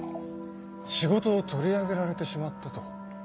仕事を取り上げられてしまったと。